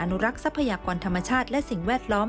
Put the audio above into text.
อุรักษ์ทรัพยากรธรรมชาติและสิ่งแวดล้อม